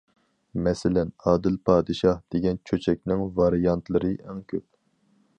مەسىلەن:‹‹ ئادىل پادىشاھ›› دېگەن چۆچەكنىڭ ۋارىيانتلىرى ئەڭ كۆپ.